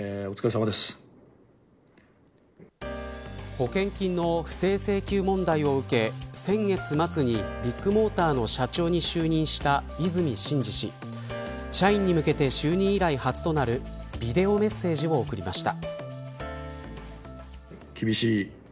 保険金の不正請求問題を受け先月末にビッグモーターの社長に就任した和泉伸二氏社員に向けて就任以来初となるビデオメッセージを送りました。